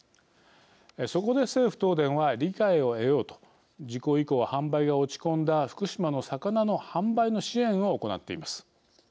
そこで政府・東電は理解を得ようと事故以降、販売が落ち込んだ福島の魚の販売の支援を行っています。